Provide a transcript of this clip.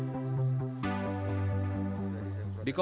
kepercayaan tersebut diberikan warga karena dia dianggap sukses